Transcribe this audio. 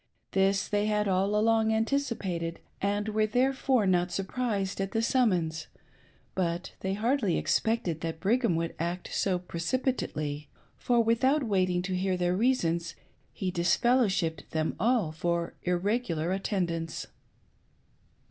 This they had all along anticipated, and were therefore not surprised at the summons, but they hardly expected that Brigham would act so precipitately ; for, without waiting to hear their reasons, he disfellowshipped them all for irregular attendance.